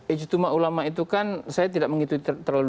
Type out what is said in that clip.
ijtima ulama itu kan saya tidak mengikuti terlalu